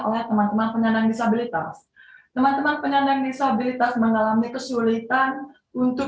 oleh teman teman penyandang disabilitas teman teman penyandang disabilitas mengalami kesulitan untuk